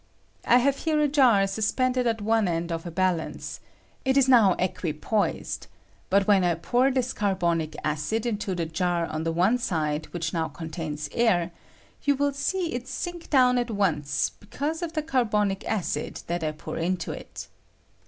I have here a jar sus pended at one end of a balance— it is now equi poised ; but when I pour this carbonic acid into the jar on the one side which now contains air, you will See it sink down at once because of the carbonic acid that I pour into it.